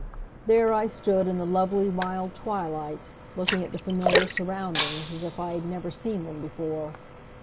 There I stood in the lovely, mild twilight, looking at the familiar surroundings as if I had never seen them before.